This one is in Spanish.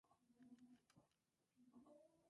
La música fue compuesta por Max Richter.